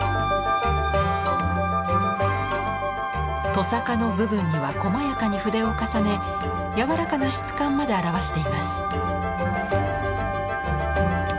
とさかの部分にはこまやかに筆を重ねやわらかな質感まで表しています。